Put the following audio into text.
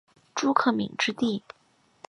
朱克敏之弟。